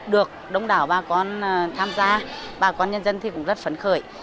được đông đảo bà con tham gia bà con nhân dân thì cũng rất phấn khởi